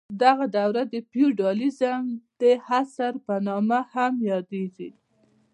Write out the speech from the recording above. دغه دوره د فیوډالیزم د عصر په نامه هم یادیږي.